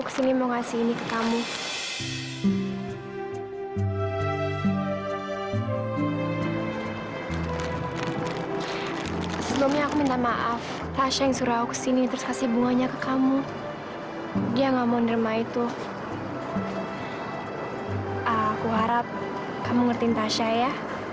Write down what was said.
sampai jumpa di video selanjutnya